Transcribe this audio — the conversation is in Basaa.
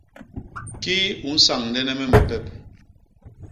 Kii u nsañdene me mapep?